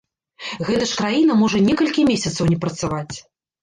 Гэта ж краіна можа некалькі месяцаў не працаваць!